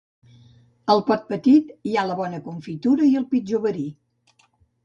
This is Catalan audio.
Al pot petit hi ha la bona confitura i el pitjor verí